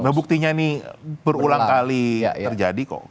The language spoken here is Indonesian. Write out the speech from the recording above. nah buktinya ini berulang kali terjadi kok